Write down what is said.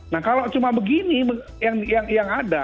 nah kalau cuma begini yang ada